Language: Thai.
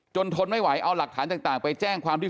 ทนไม่ไหวเอาหลักฐานต่างไปแจ้งความที่